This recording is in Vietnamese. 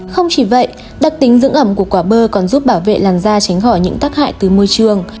không chỉ vậy đặc tính dưỡng ẩm của quả bơ còn giúp bảo vệ làn da tránh khỏi những tác hại từ môi trường